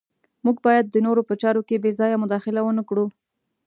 موږ باید د نورو په چارو کې بې ځایه مداخله ونه کړو.